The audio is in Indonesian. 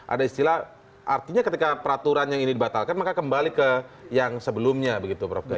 ada istilah artinya ketika peraturan yang ini dibatalkan maka kembali ke yang sebelumnya begitu prof gaya